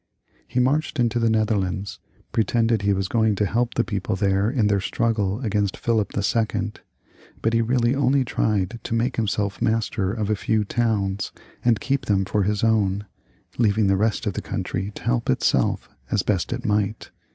He marched into the Netherlands, pretending he was going to help the people there in their struggle against Philip II., but he really only tried to make himself master of a few towns and keep them for his own, leaving the rest of the country to help itself as best it might.